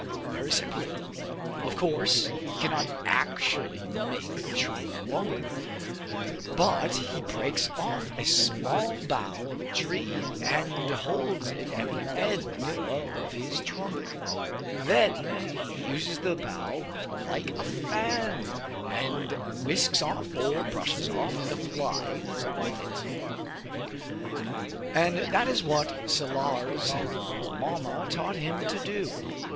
Very simply! Of course he cannot actually make the trunk longer, but he breaks off a small bough of a tree and holds it at the end of his trunk; then he uses the bough like a fan, and whisks off, or brushes off, the flies with it. And that is what Salar's Mamma taught him to do.